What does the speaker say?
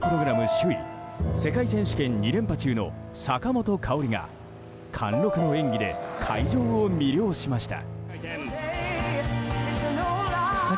首位世界選手権２連覇中の坂本花織が貫禄の演技で会場を魅了しました。